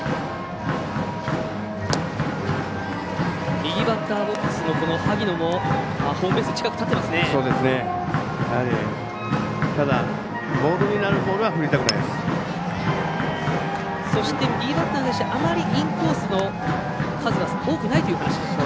右バッターボックスの萩野もホームベース近くに立っていますね。